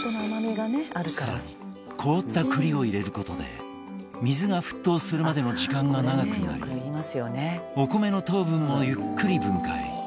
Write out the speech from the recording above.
さらに凍った栗を入れる事で水が沸騰するまでの時間が長くなりお米の糖分をゆっくり分解